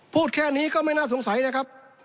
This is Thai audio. พูดแค่นี้ก็ไม่น่าสงสัยนะครับ